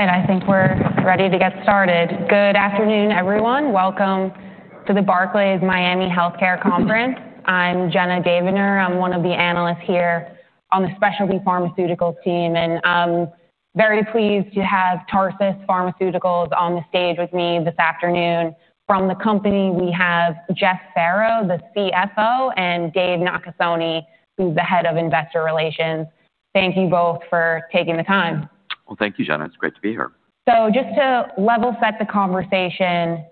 All right. I think we're ready to get started. Good afternoon, everyone. Welcome to the Barclays Miami Healthcare Conference. I'm Jenna Davidner. I'm one of the analysts here on the specialty pharmaceuticals team, and I'm very pleased to have Tarsus Pharmaceuticals on the stage with me this afternoon. From the company, we have Jeff Farrow, the CFO, and David Nakasone, who's the head of investor relations. Thank you both for taking the time. Well, thank you, Jenna. It's great to be here. Just to level set the conversation,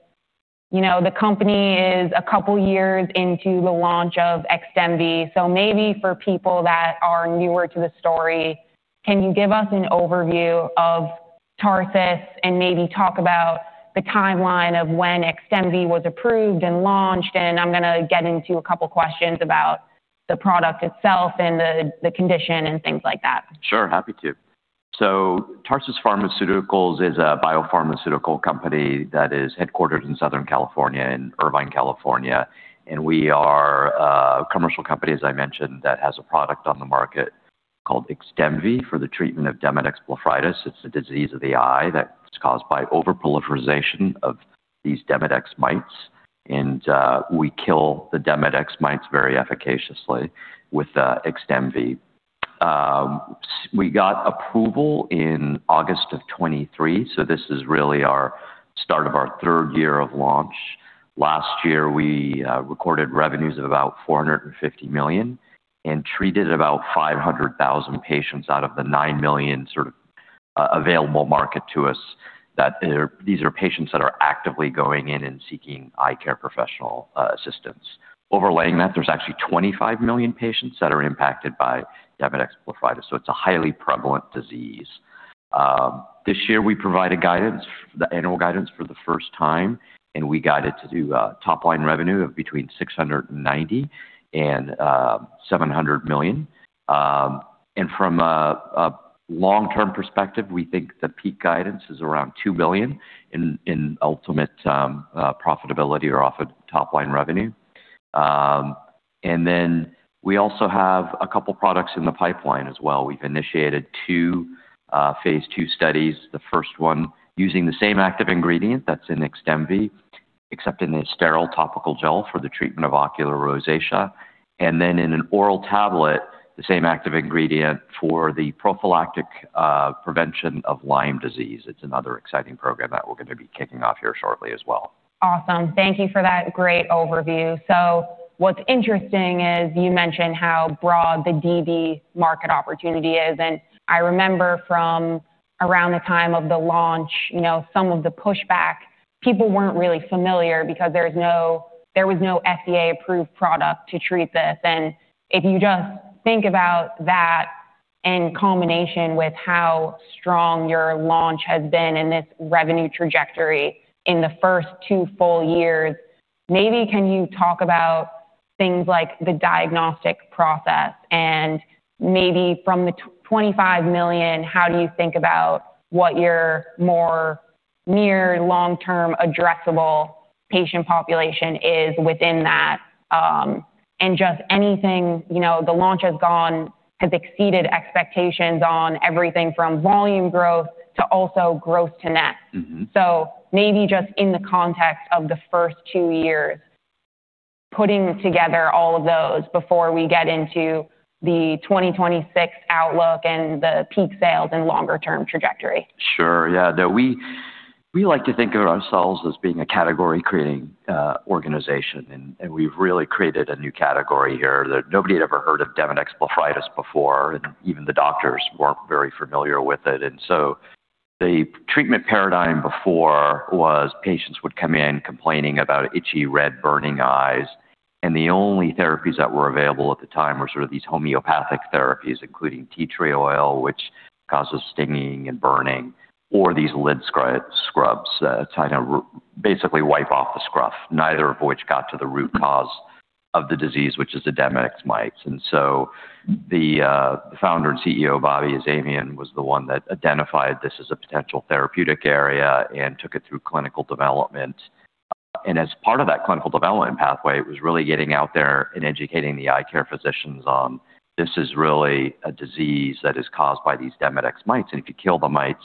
you know, the company is a couple years into the launch of XDEMVY. Maybe for people that are newer to the story, can you give us an overview of Tarsus and maybe talk about the timeline of when XDEMVY was approved and launched? I'm gonna get into a couple questions about the product itself and the condition and things like that. Sure. Happy to. Tarsus Pharmaceuticals is a biopharmaceutical company that is headquartered in Southern California, in Irvine, California. We are a commercial company, as I mentioned, that has a product on the market called XDEMVY for the treatment of Demodex blepharitis. It's a disease of the eye that's caused by overproliferation of these Demodex mites. We kill the Demodex mites very efficaciously with XDEMVY. We got approval in August of 2023, so this is really our start of our third year of launch. Last year, we recorded revenues of about $450 million and treated about 500,000 patients out of the 9 million sort of available market to us. These are patients that are actively going in and seeking eye care professional assistance. Overlaying that, there's actually 25 million patients that are impacted by Demodex blepharitis, so it's a highly prevalent disease. This year we provided guidance, the annual guidance for the first time, and we guided to top line revenue of between $690 million and $700 million. From a long-term perspective, we think the peak guidance is around $2 billion in ultimate profitability or off of top line revenue. Then we also have a couple products in the pipeline as well. We've initiated two Phase 2 studies. The first one using the same active ingredient that's in XDEMVY, except in a sterile topical gel for the treatment of ocular rosacea, and then in an oral tablet, the same active ingredient for the prophylactic prevention of Lyme disease. It's another exciting program that we're gonna be kicking off here shortly as well. Awesome. Thank you for that great overview. What's interesting is you mentioned how broad the DB market opportunity is, and I remember from around the time of the launch, you know, some of the pushback. People weren't really familiar because there was no FDA-approved product to treat this. If you just think about that in combination with how strong your launch has been and this revenue trajectory in the first two full years, maybe can you talk about things like the diagnostic process and maybe from the $25 million, how do you think about what your more near/long-term addressable patient population is within that? Just anything, you know, the launch has exceeded expectations on everything from volume growth to also growth to net. Mm-hmm. Maybe just in the context of the first two years, putting together all of those before we get into the 2026 outlook and the peak sales and longer term trajectory. Sure. Yeah. No, we like to think of ourselves as being a category-creating organization, and we've really created a new category here that nobody had ever heard of Demodex blepharitis before, and even the doctors weren't very familiar with it. The treatment paradigm before was patients would come in complaining about itchy, red, burning eyes, and the only therapies that were available at the time were sort of these homeopathic therapies, including tea tree oil, which causes stinging and burning or these lid scrubs to kind of basically wipe off the scruff, neither of which got to the root cause of the disease, which is the Demodex mites. The founder and CEO, Bobby Azamian, was the one that identified this as a potential therapeutic area and took it through clinical development. As part of that clinical development pathway, it was really getting out there and educating the eye care physicians on this is really a disease that is caused by these Demodex mites, and if you kill the mites,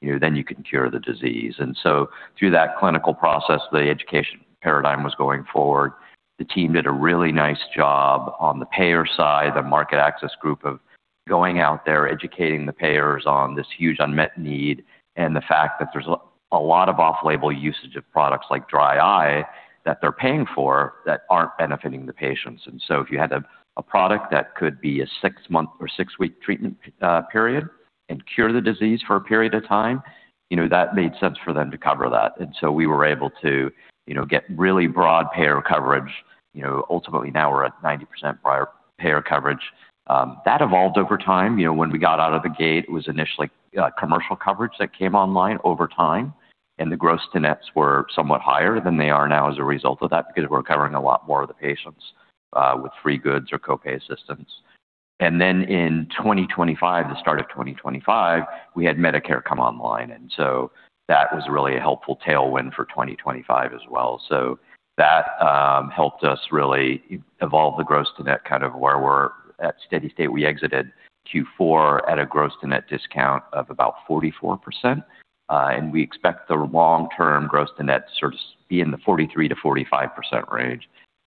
you know, then you can cure the disease. Through that clinical process, the education paradigm was going forward. The team did a really nice job on the payer side, the market access group of going out there, educating the payers on this huge unmet need and the fact that there's a lot of off-label usage of products like dry eye that they're paying for that aren't benefiting the patients. If you had a product that could be a six-month or six-week treatment period and cure the disease for a period of time, you know, that made sense for them to cover that. We were able to, you know, get really broad payer coverage. You know, ultimately now we're at 90% prior payer coverage. That evolved over time. You know, when we got out of the gate, it was initially commercial coverage that came online over time, and the gross to nets were somewhat higher than they are now as a result of that because we're covering a lot more of the patients with free goods or co-pay assistance. In 2025, the start of 2025, we had Medicare come online, and that was really a helpful tailwind for 2025 as well. That helped us really evolve the gross to net kind of where we're at steady state. We exited Q4 at a gross to net discount of about 44%. We expect the long-term gross to net sort of be in the 43%-45% range,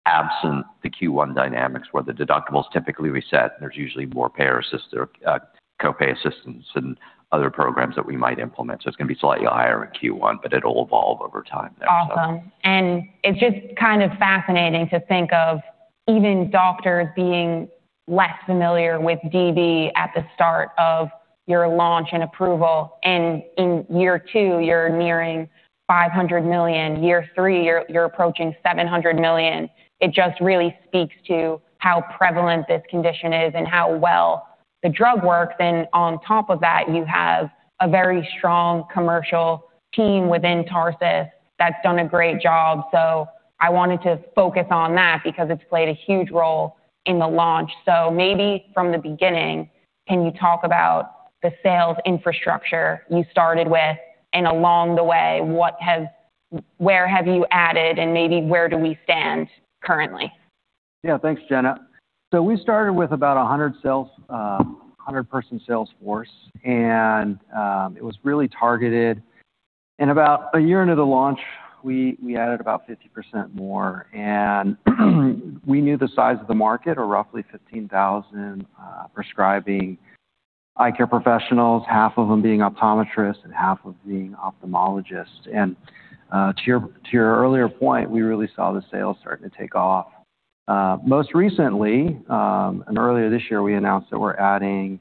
absent the Q1 dynamics where the deductibles typically reset. There's usually more payer assist or copay assistance and other programs that we might implement. It's going to be slightly higher in Q1, but it'll evolve over time there. Awesome. It's just kind of fascinating to think of even doctors being less familiar with DB at the start of your launch and approval, and in year two you're nearing $500 million, year three you're approaching $700 million. It just really speaks to how prevalent this condition is and how well the drug works. On top of that, you have a very strong commercial team within Tarsus that's done a great job. I wanted to focus on that because it's played a huge role in the launch. Maybe from the beginning, can you talk about the sales infrastructure you started with, and along the way, where have you added and maybe where do we stand currently? Yeah. Thanks, Jenna. We started with about 100-person sales force, and it was really targeted. About a year into the launch, we added about 50% more. We knew the size of the market are roughly 15,000 prescribing eye care professionals, half of them being optometrists and half being ophthalmologists. To your earlier point, we really saw the sales starting to take off. Most recently, earlier this year, we announced that we're adding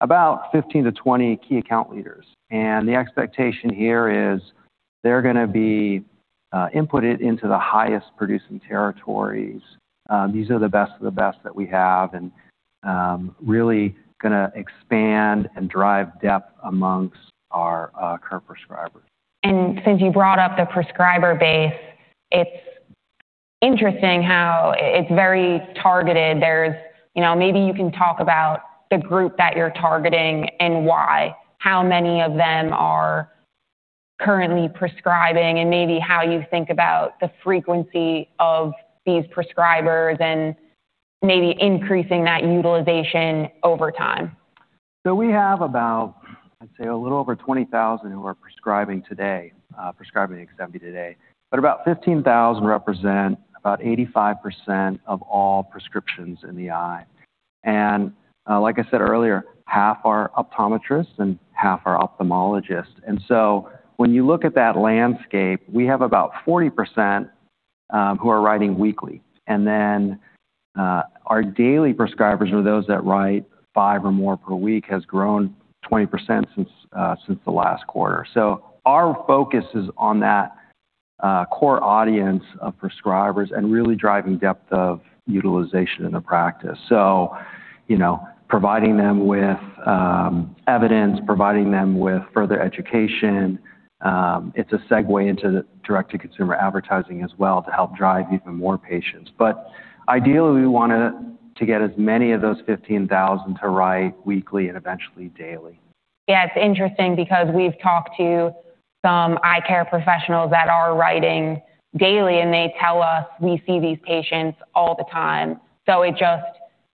about 15-20 key account leaders. The expectation here is they're gonna be inputted into the highest producing territories. These are the best of the best that we have and really gonna expand and drive depth amongst our current prescribers. Since you brought up the prescriber base, it's interesting how it's very targeted. There's, you know, maybe you can talk about the group that you're targeting and why, how many of them are currently prescribing and maybe how you think about the frequency of these prescribers and maybe increasing that utilization over time. We have about, I'd say, a little over 20,000 who are prescribing today, prescribing XDEMVY today. About 15,000 represent about 85% of all prescriptions in the eye. Like I said earlier, half are optometrists and half are ophthalmologists. When you look at that landscape, we have about 40% who are writing weekly. Our daily prescribers or those that write five or more per week has grown 20% since the last quarter. Our focus is on that core audience of prescribers and really driving depth of utilization in the practice. You know, providing them with evidence, providing them with further education, it's a segue into the direct-to-consumer advertising as well to help drive even more patients. Ideally, we want to get as many of those 15,000 to write weekly and eventually daily. Yeah, it's interesting because we've talked to some eye care professionals that are writing daily, and they tell us, "We see these patients all the time." It just,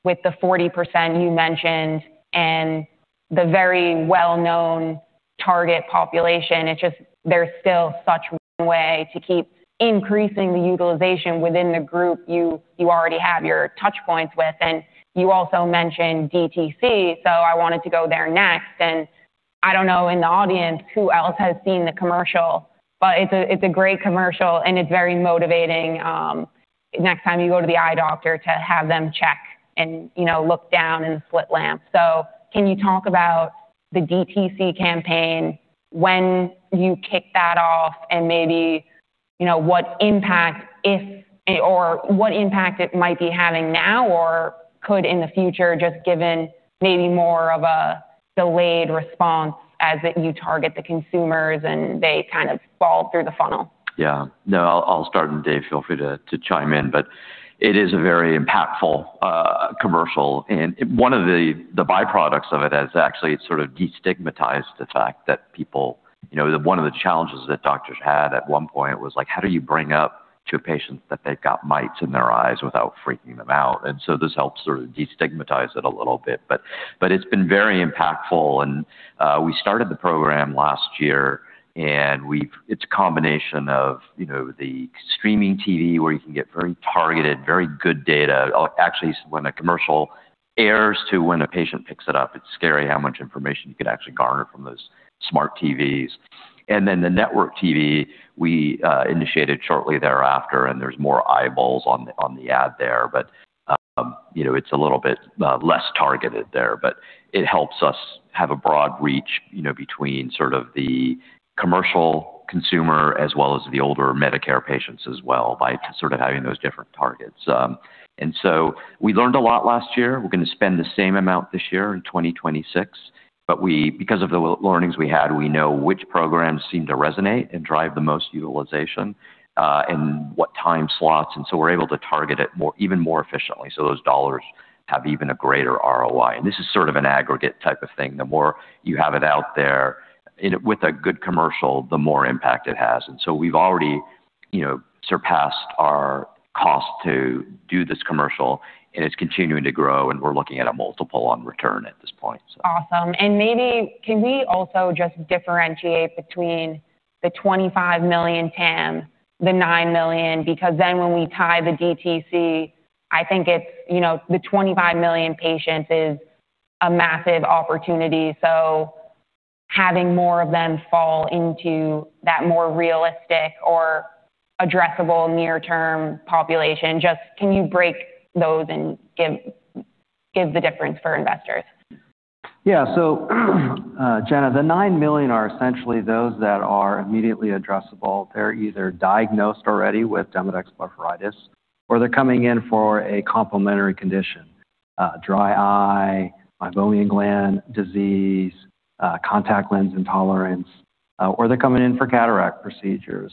with the 40% you mentioned and the very well-known target population, it's just there's still such way to keep increasing the utilization within the group you already have your touch points with. You also mentioned DTC, so I wanted to go there next. I don't know in the audience who else has seen the commercial, but it's a great commercial, and it's very motivating next time you go to the eye doctor to have them check and, you know, look down in the slit lamp. Can you talk about the DTC campaign when you kick that off and maybe, you know, what impact if or what impact it might be having now or could in the future, just given maybe more of a delayed response as you target the consumers and they kind of fall through the funnel? Yeah. No, I'll start, and Dave, feel free to chime in. It is a very impactful commercial. One of the byproducts of it is actually it sort of destigmatized the fact that people you know, one of the challenges that doctors had at one point was like, how do you bring up to a patient that they've got mites in their eyes without freaking them out? This helps sort of destigmatize it a little bit. It's been very impactful. We started the program last year, and it's a combination of, you know, the streaming TV, where you can get very targeted, very good data. Actually, when a commercial airs to when a patient picks it up, it's scary how much information you could actually garner from those smart TVs. Then the network TV we initiated shortly thereafter, and there's more eyeballs on the ad there. You know, it's a little bit less targeted there. It helps us have a broad reach, you know, between sort of the commercial consumer as well as the older Medicare patients as well by sort of having those different targets. We learned a lot last year. We're going to spend the same amount this year in 2026. We because of the learnings we had, we know which programs seem to resonate and drive the most utilization, and what time slots, and so we're able to target it even more efficiently. Those dollars have even a greater ROI. This is sort of an aggregate type of thing. The more you have it out there with a good commercial, the more impact it has. We've already, you know, surpassed our cost to do this commercial, and it's continuing to grow, and we're looking at a multiple on return at this point, so. Awesome. Maybe can we also just differentiate between the 25 million TAM, the 9 million, because then when we tie the DTC, I think it's, you know, the 25 million patients is a massive opportunity. Having more of them fall into that more realistic or addressable near-term population, just can you break those and give the difference for investors? Yeah. Jenna, the 9 million are essentially those that are immediately addressable. They're either diagnosed already with Demodex blepharitis, or they're coming in for a complementary condition, dry eye, Meibomian gland dysfunction, contact lens intolerance, or they're coming in for cataract procedures.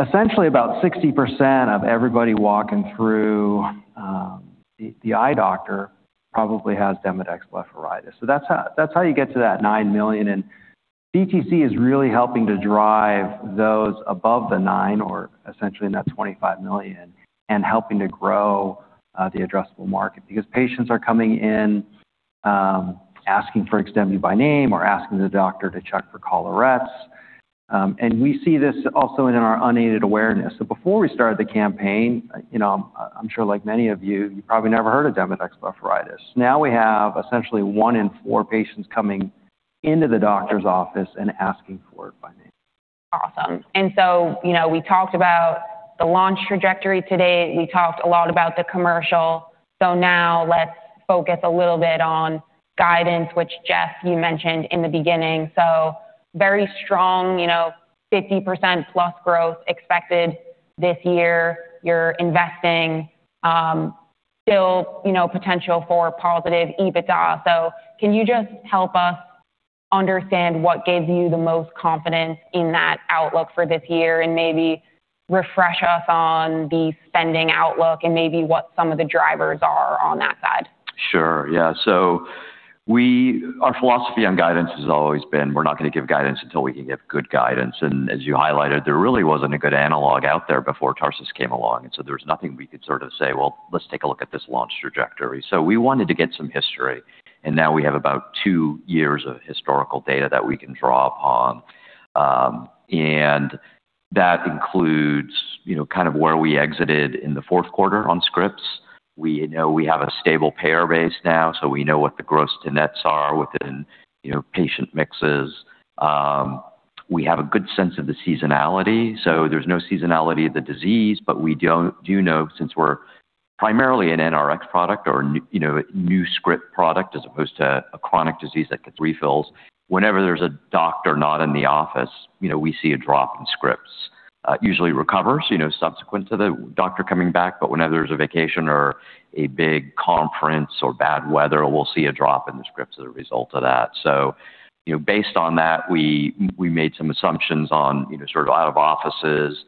Essentially, about 60% of everybody walking through the eye doctor probably has Demodex blepharitis. That's how you get to that 9 million. DTC is really helping to drive those above the 9 million or essentially in that 25 million and helping to grow the addressable market. Because patients are coming in asking for XDEMVY by name or asking the doctor to check for collarettes. We see this also in our unaided awareness. Before we started the campaign, you know, I'm sure like many of you probably never heard of Demodex blepharitis. Now we have essentially one in four patients coming into the doctor's office and asking for it by name. Awesome. You know, we talked about the launch trajectory today. We talked a lot about the commercial. Now let's focus a little bit on guidance, which, Jeff, you mentioned in the beginning. Very strong, you know, 50%+ growth expected this year. You're investing, still, you know, potential for positive EBITDA. Can you just help us understand what gives you the most confidence in that outlook for this year and maybe refresh us on the spending outlook and maybe what some of the drivers are on that side? Sure. Yeah. Our philosophy on guidance has always been we're not gonna give guidance until we can give good guidance. As you highlighted, there really wasn't a good analog out there before Tarsus came along. There was nothing we could sort of say, "Well, let's take a look at this launch trajectory." We wanted to get some history, and now we have about two years of historical data that we can draw upon. That includes, you know, kind of where we exited in the fourth quarter on scripts. We know we have a stable payer base now, so we know what the gross to nets are within, you know, patient mixes. We have a good sense of the seasonality. There's no seasonality of the disease, but we do know since we're primarily an NRX product or new, you know, script product as opposed to a chronic disease that gets refills. Whenever there's a doctor not in the office, you know, we see a drop in scripts. It usually recovers, you know, subsequent to the doctor coming back. Whenever there's a vacation or a big conference or bad weather, we'll see a drop in the scripts as a result of that. Based on that, we made some assumptions on, you know, sort of out of offices,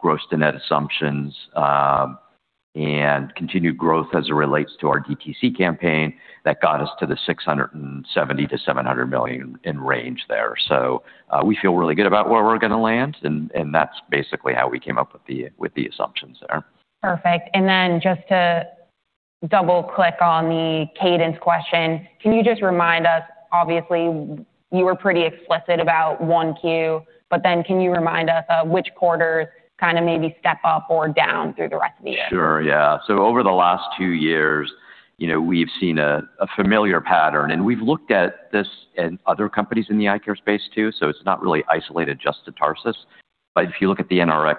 gross to net assumptions, and continued growth as it relates to our DTC campaign that got us to the $670 million-$700 million range there. We feel really good about where we're gonna land and that's basically how we came up with the assumptions there. Perfect. Then just to double-click on the cadence question, can you just remind us, obviously you were pretty explicit about one Q, but then can you remind us of which quarters kind of maybe step up or down through the rest of the year? Sure, yeah. Over the last two years, you know, we've seen a familiar pattern, and we've looked at this in other companies in the eye care space too, so it's not really isolated just to Tarsus. If you look at the NRX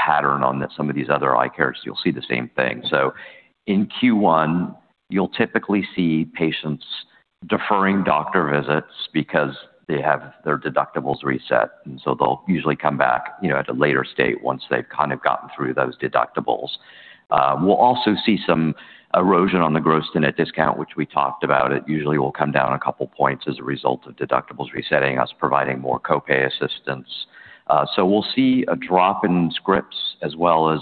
pattern on some of these other eye cares, you'll see the same thing. In Q1, you'll typically see patients deferring doctor visits because they have their deductibles reset, and so they'll usually come back, you know, at a later stage once they've kind of gotten through those deductibles. We'll also see some erosion on the gross to net discount, which we talked about. It usually will come down a couple points as a result of deductibles resetting, us providing more co-pay assistance. So we'll see a drop in scripts as well as,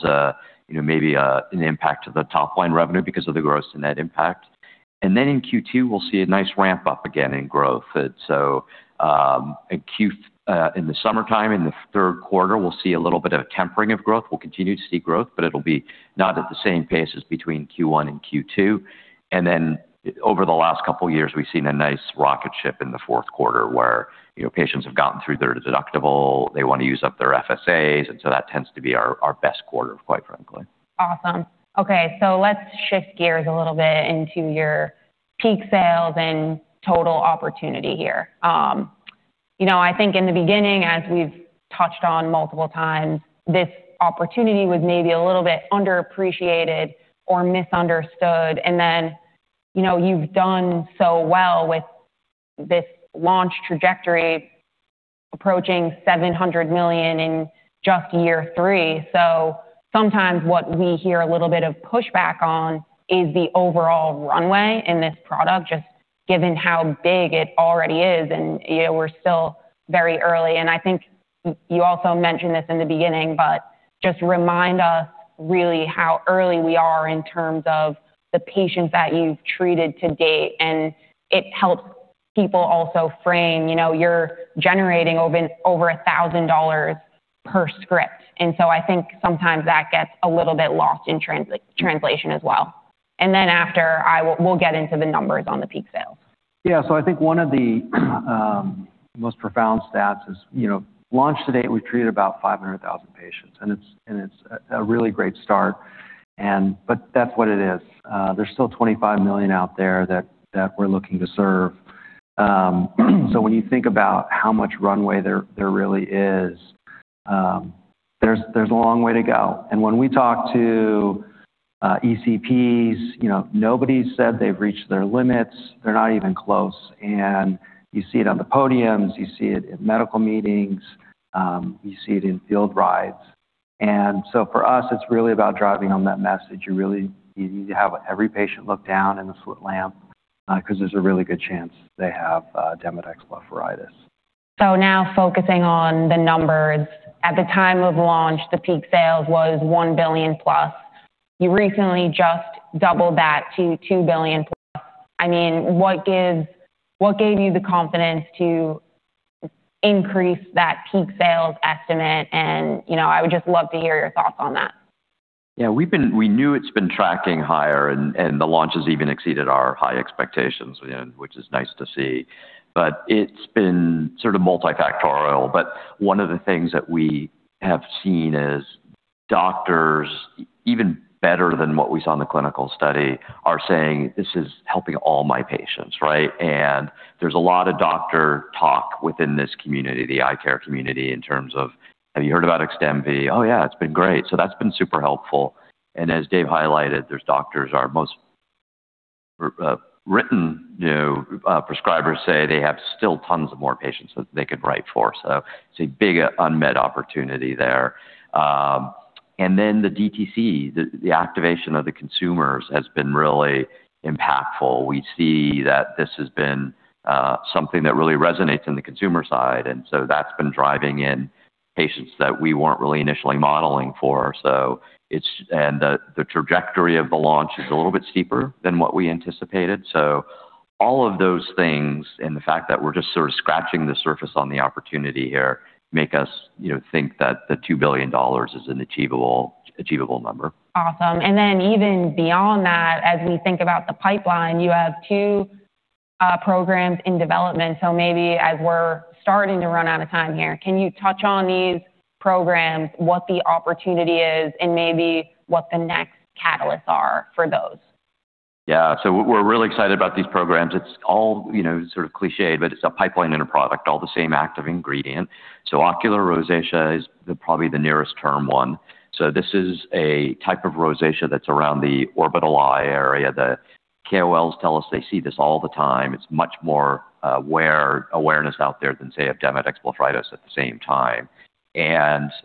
you know, maybe an impact to the top line revenue because of the gross to net impact. Then in Q2, we'll see a nice ramp-up again in growth. In the summertime, in the third quarter, we'll see a little bit of a tempering of growth. We'll continue to see growth, but it'll be not at the same pace as between Q1 and Q2. Then over the last couple years, we've seen a nice rocket ship in the fourth quarter where, you know, patients have gotten through their deductible, they wanna use up their FSAs, and so that tends to be our best quarter, quite frankly. Awesome. Okay. Let's shift gears a little bit into your peak sales and total opportunity here. You know, I think in the beginning, as we've touched on multiple times, this opportunity was maybe a little bit underappreciated or misunderstood. Then, you know, you've done so well with this launch trajectory. Approaching $700 million in just year three. Sometimes what we hear a little bit of pushback on is the overall runway in this product, just given how big it already is. You know, we're still very early, and I think you also mentioned this in the beginning, but just remind us really how early we are in terms of the patients that you've treated to date. It helps people also frame, you know, you're generating over $1,000 per script. I think sometimes that gets a little bit lost in translation as well. We'll get into the numbers on the peak sales. Yeah. I think one of the most profound stats is, you know, launch to date, we've treated about 500,000 patients, and it's a really great start and but that's what it is. There's still 25 million out there that we're looking to serve. When you think about how much runway there really is, there's a long way to go. When we talk to ECPs, you know, nobody's said they've reached their limits. They're not even close. You see it on the podiums, you see it in medical meetings, you see it in field rides. For us, it's really about driving home that message. You really need to have every patient look down in the slit lamp because there's a really good chance they have Demodex blepharitis. Now focusing on the numbers. At the time of launch, the peak sales was $1 billion+. You recently just doubled that to $2 billion+. I mean, what gives, what gave you the confidence to increase that peak sales estimate? You know, I would just love to hear your thoughts on that. Yeah. We knew it's been tracking higher and the launch has even exceeded our high expectations, you know, which is nice to see. It's been sort of multifactorial. One of the things that we have seen is doctors, even better than what we saw in the clinical study, are saying, "This is helping all my patients," right? There's a lot of doctor talk within this community, the eye care community, in terms of, "Have you heard about XDEMVY?" "Oh, yeah. It's been great." That's been super helpful. As Dave highlighted, there's doctors, our most written prescribers say they have still tons more patients that they could write for. It's a big unmet opportunity there. Then the DTC, the activation of the consumers has been really impactful. We see that this has been something that really resonates in the consumer side, and so that's been driving in patients that we weren't really initially modeling for. The trajectory of the launch is a little bit steeper than what we anticipated. All of those things and the fact that we're just sort of scratching the surface on the opportunity here make us, you know, think that the $2 billion is an achievable number. Awesome. Even beyond that, as we think about the pipeline, you have two programs in development. Maybe as we're starting to run out of time here, can you touch on these programs, what the opportunity is, and maybe what the next catalysts are for those? Yeah. We're really excited about these programs. It's all, you know, sort of cliché, but it's a pipeline in a product, all the same active ingredient. Ocular rosacea is probably the nearest term one. This is a type of rosacea that's around the orbital eye area. The KOLs tell us they see this all the time. It's much more awareness out there than, say, of Demodex blepharitis at the same time.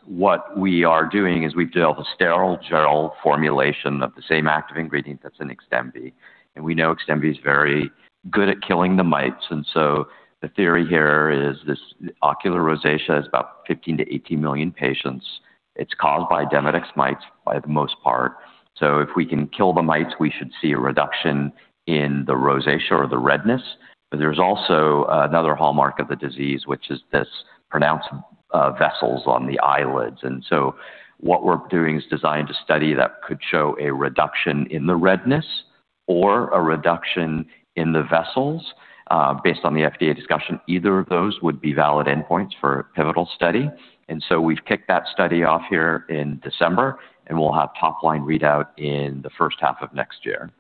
What we are doing is we've developed a sterile gel formulation of the same active ingredient that's in XDEMVY. We know XDEMVY is very good at killing the mites. The theory here is this ocular rosacea is about 15-18 million patients. It's caused by Demodex mites for the most part. If we can kill the mites, we should see a reduction in the rosacea or the redness. There's also another hallmark of the disease, which is this pronounced vessels on the eyelids. What we're doing is designed a study that could show a reduction in the redness or a reduction in the vessels. Based on the FDA discussion, either of those would be valid endpoints for a pivotal study. We've kicked that study off here in December, and we'll have top-line readout in the first half of next year.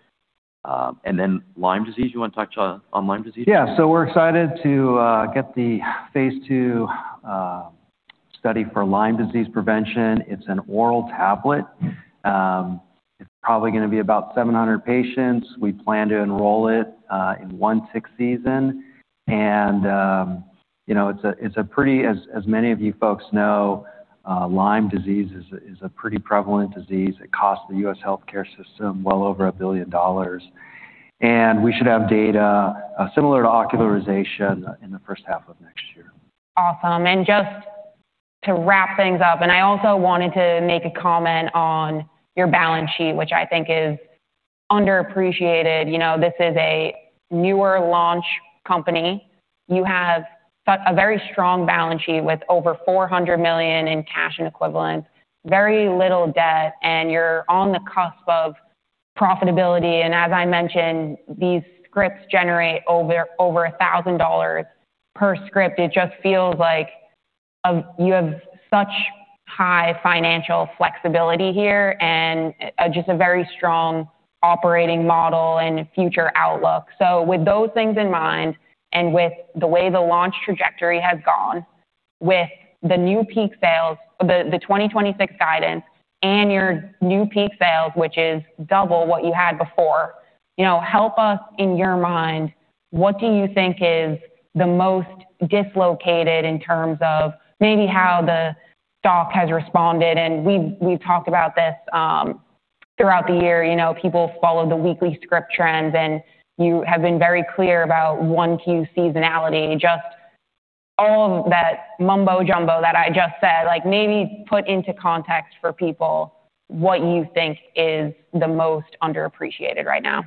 Lyme disease. You want to touch on Lyme disease? Yeah. We're excited to get the Phase 2 study for Lyme disease prevention. It's an oral tablet. It's probably gonna be about 700 patients. We plan to enroll it in one tick season. You know, as many of you folks know, Lyme disease is a pretty prevalent disease. It costs the U.S. healthcare system well over $1 billion. We should have data similar to ocular rosacea in the first half of next year. Awesome. Just to wrap things up, and I also wanted to make a comment on your balance sheet, which I think is underappreciated. You know, this is a newer launch company. You have such a very strong balance sheet with over $400 million in cash and equivalents, very little debt, and you're on the cusp of profitability. As I mentioned, these scripts generate over a thousand dollars per script. It just feels like you have such high financial flexibility here and just a very strong operating model and future outlook. With those things in mind and with the way the launch trajectory has gone with the new peak sales, the 2026 guidance and your new peak sales, which is double what you had before, you know, help us in your mind, what do you think is the most dislocated in terms of maybe how the stock has responded? We've talked about this throughout the year. You know, people follow the weekly scrip trends, and you have been very clear about one Q seasonality. Just all of that mumbo jumbo that I just said, like, maybe put into context for people what you think is the most underappreciated right now.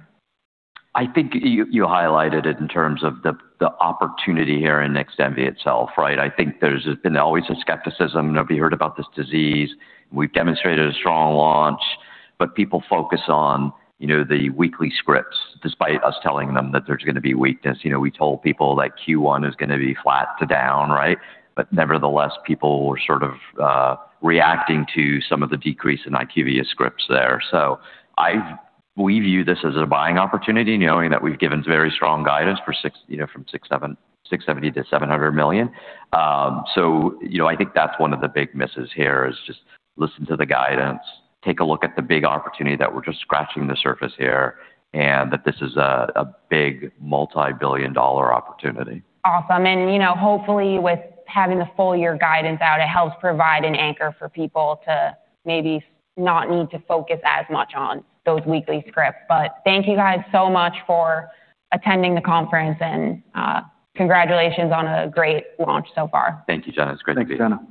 I think you highlighted it in terms of the opportunity here in XDEMVY itself, right? I think there's been always a skepticism, nobody heard about this disease. We've demonstrated a strong launch, but people focus on, you know, the weekly scripts despite us telling them that there's going to be weakness. You know, we told people that Q1 is gonna be flat to down, right? But nevertheless, people were sort of reacting to some of the decrease in IQVIA scripts there. We view this as a buying opportunity, knowing that we've given very strong guidance for six, you know, from $670 million-$700 million.you know, I think that's one of the big misses here is just listen to the guidance, take a look at the big opportunity that we're just scratching the surface here, and that this is a big multi-billion dollar opportunity. Awesome. You know, hopefully with having the full year guidance out, it helps provide an anchor for people to maybe not need to focus as much on those weekly scripts. Thank you guys so much for attending the conference and, congratulations on a great launch so far. Thank you, Jenna. It's great to be here. Thanks, Jenna.